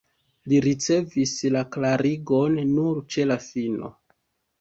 Li ricevis la klarigon nur ĉe la fino.